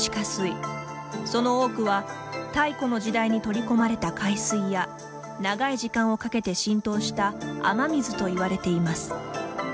その多くは太古の時代に取り込まれた海水や長い時間をかけて浸透した雨水といわれています。